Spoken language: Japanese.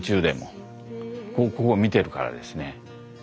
ここ見てるからですね。